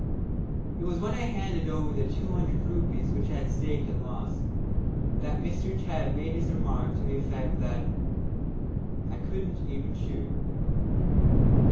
It was when I handed over the two hundred rupees which I had staked and lost, that Mr. Tebb made his remark to the effect that "I couldn't even shoot."